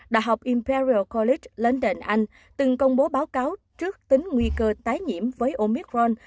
đại học imperial college london anh từng công bố báo cáo trước tính nguy cơ tái nhiễm với omicron